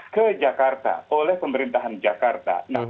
ke jakarta oleh pemerintahan jakarta